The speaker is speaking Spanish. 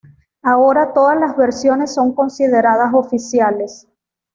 Ahora todas las versiones son consideradas "oficiales".